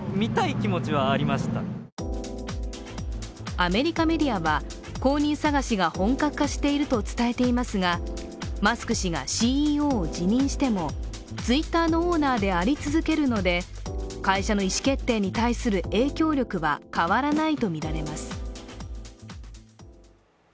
アメリカメディアは、後任探しが本格化していると伝えていますが、マスク氏がＣＥＯを辞任してもＴｗｉｔｔｅｒのオーナーであり続けるので会社の意思決定に対する影響力は変わらないとみられます。